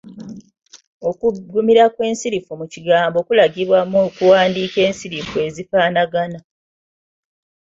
Okuggumira kw’ensirifu mu kigambo kulagibwa na kuwandiika nsirifu ezifaanagana.